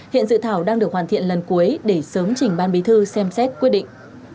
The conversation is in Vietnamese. hiện dự thảo đang được hoàn thiện lần cuối để sớm chỉnh ban bí thư xem xét quyết định